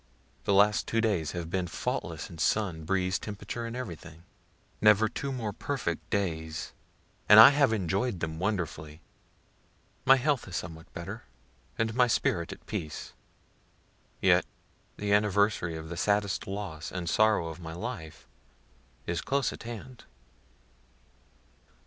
The last two days have been faultless in sun, breeze, temperature and everything; never two more perfect days, and I have enjoy'd them wonderfully. My health is somewhat better, and my spirit at peace. (Yet the anniversary of the saddest loss and sorrow of my life is close at hand.)